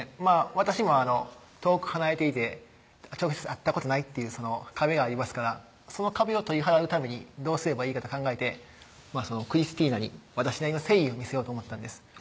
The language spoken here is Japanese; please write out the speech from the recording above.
私も遠く離れていて直接会ったことないっていう壁がありますからその壁を取り払うためにどうすればいいかと考えてクリスティナに私なりの誠意を見せようと思ったんです